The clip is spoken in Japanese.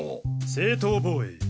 正当防衛。